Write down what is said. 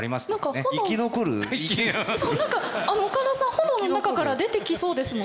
炎の中から出てきそうですもん。